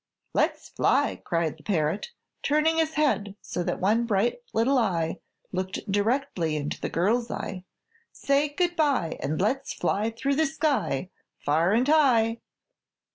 "Let's fly!" cried the parrot, turning his head so that one bright little eye looked directly into the girl's eye. "Say good bye and let's fly through the sky, far and high!"